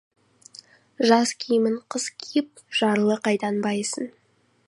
Жаз киімін қыс киіп, жарлы қайдан байысын.